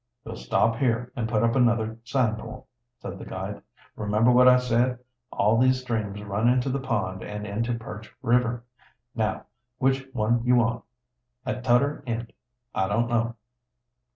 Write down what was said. "We'll stop here and put up another sign pole," said the guide. "Remember what I said? All these streams run into the pond and into Perch River. Now, which one you want, at tudder end, I don't know."